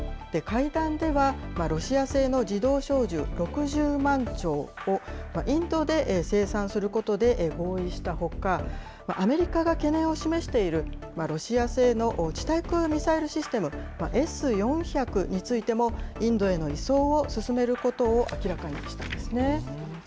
会談では、ロシア製の自動小銃６０万丁をインドで生産することで合意したほか、アメリカが懸念を示している、ロシア製の地対空ミサイルシステムＳ４００についても、インドへの移送を進めることを明らかにしたんですね。